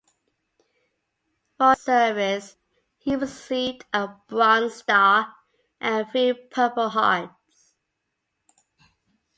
For his service he received a Bronze Star and three Purple Hearts.